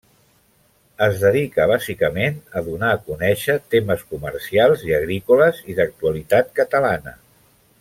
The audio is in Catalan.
Es dedica bàsicament a donar a conèixer temes comercials i agrícoles i d'actualitat catalana.